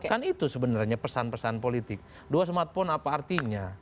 kan itu sebenarnya pesan pesan politik dua smartphone apa artinya